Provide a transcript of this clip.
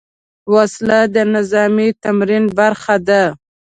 وسله د نظامي تمرین برخه ده